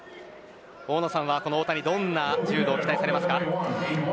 大野さんはこの太田にどんな柔道を期待しますか。